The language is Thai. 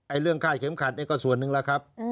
ไอ้เรื่องค่าเช็มขัดเนี่ยก็ส่วนนึงแล้วครับ